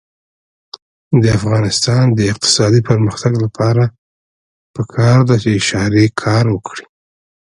د افغانستان د اقتصادي پرمختګ لپاره پکار ده چې اشارې کار وکړي.